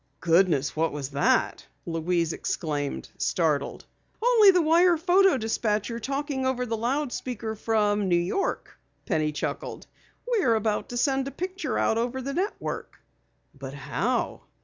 "Goodness, what was that?" Louise exclaimed, startled. "Only the wire photo dispatcher talking over the loudspeaker from New York," Penny, chuckled. "We're about to send a picture out over the network." "But how?"